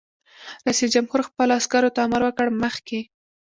رئیس جمهور خپلو عسکرو ته امر وکړ؛ مخکې!